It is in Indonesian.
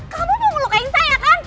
kamu mau ngelukain saya kan